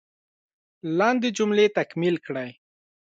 لاندې جملې تکمیل کړئ.